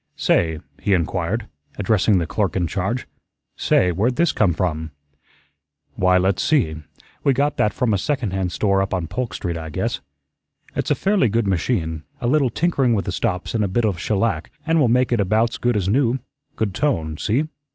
"Say," he inquired, addressing the clerk in charge, "say, where'd this come from?" "Why, let's see. We got that from a second hand store up on Polk Street, I guess. It's a fairly good machine; a little tinkering with the stops and a bit of shellac, and we'll make it about's good as new. Good tone. See."